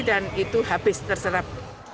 dan itu habis terserap